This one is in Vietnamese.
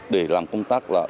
để làm công tác là